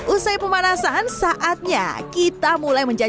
usai pemanasan saatnya kita mulai mencari